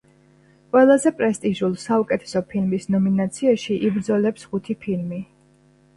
ყველაზე პრესტიჟულ, საუკეთესო ფილმის ნომინაციაში იბრძოლებს ხუთი ფილმი.